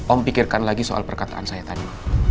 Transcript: om pikirkan lagi soal perkataan saya tadi